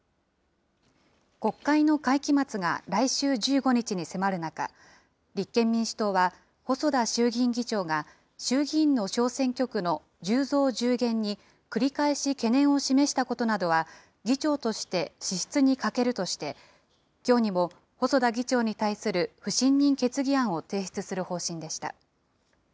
国会の会期末が来週１５日に迫る中、立憲民主党は、細田衆議院議長が衆議院の小選挙区の１０増１０減に繰り返し懸念を示したことなどは、議長として資質に欠けるとして、きょうにも細田議長に対する不信任決議案を提出する方針でした。